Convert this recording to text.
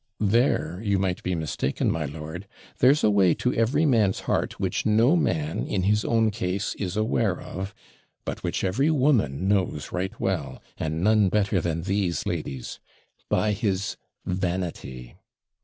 'There you might be mistaken, my lord; there's a way to every man's heart, which no man in his own case is aware of, but which every woman knows right well, and none better than these ladies by his vanity.'